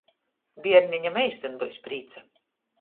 Bierneņam eistyn byus prīca!